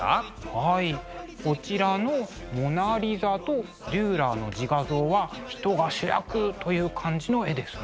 はいこちらの「モナ・リザ」とデューラーの「自画像」は人が主役という感じの絵ですね。